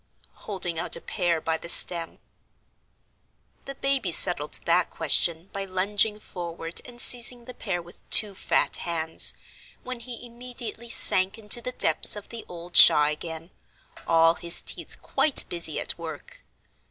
holding out a pear by the stem. The baby settled that question by lunging forward and seizing the pear with two fat hands, when he immediately sank into the depths of the old shawl again, all his teeth quite busy at work.